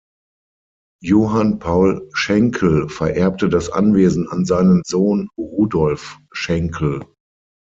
Johann Paul Schenkel vererbte das Anwesen an seinen Sohn Rudolf Schenkel.